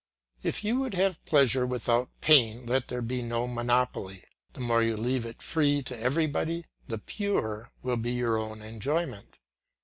If you would have pleasure without pain let there be no monopoly; the more you leave it free to everybody, the purer will be your own enjoyment.